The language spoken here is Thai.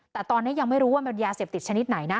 แต่ตอนนี้ยังไม่รู้ว่ามันยาเสพติดชนิดไหนนะ